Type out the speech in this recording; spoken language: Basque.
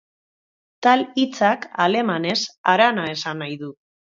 Tal hitzak, alemanez, harana esan nahi du.